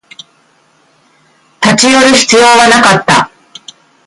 立ち寄る必要はなかった